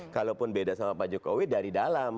kalaupun beda sama pak jokowi dari dalam